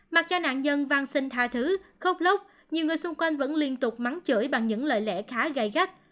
mặc cho nạn nhân vang sinh tha thứ khốc lốc nhiều người xung quanh vẫn liên tục mắng chửi bằng những lời lẽ khá gai gắt